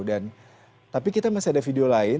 dan tapi kita masih ada video lain